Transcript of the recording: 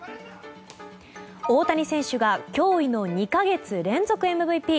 大谷選手が驚異の２か月連続ＭＶＰ。